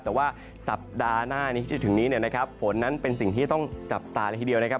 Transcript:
แต่ว่าสัปดาห์หน้านี้ที่จะถึงนี้เนี่ยนะครับฝนนั้นเป็นสิ่งที่ต้องจับตาเลยทีเดียวนะครับ